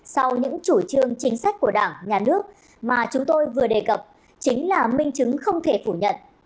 sau những chủ trương chính sách của đảng nhà nước mà chúng tôi vừa đề cập chính là minh chứng không thể phủ nhận